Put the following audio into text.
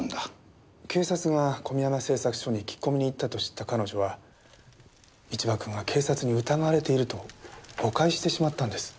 警察が込山製作所に聞き込みに行ったと知った彼女は一場君が警察に疑われていると誤解してしまったんです。